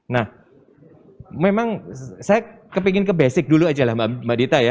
nah memang saya kepingin ke basic dulu aja lah mbak dita ya